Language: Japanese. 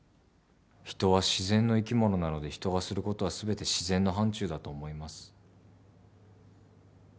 人は自然の生き物なので人がすることは全て自然の範ちゅうだと思います。